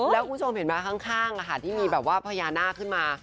แล้วคุณผู้ชมเห็นไหมข้างที่มีแบบว่าพญานาคขึ้นมา